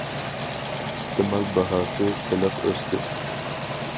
ئىستېمال باھاسى سىلىق ئۆستى.